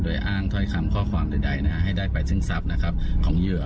โดยอ้างถ้อยคำข้อความใดให้ได้ไปซึ่งทรัพย์นะครับของเหยื่อ